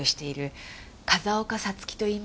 丘早月といいます。